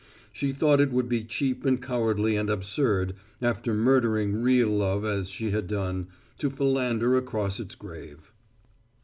She thought it would be cheap and cowardly and absurd, after murdering real love as she had done, to philander across its grave.